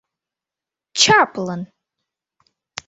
— Чаплын!